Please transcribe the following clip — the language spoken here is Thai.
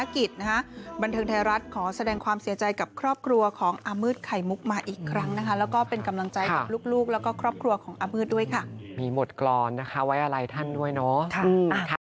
ก็ครอบครัวของอามืดด้วยค่ะมีหมดกรรนะคะไว้อะไรท่านด้วยเนาะค่ะ